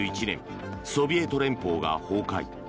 １９９１年ソビエト連邦が崩壊。